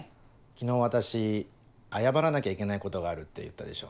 昨日私謝らなきゃいけないことがあるって言ったでしょ。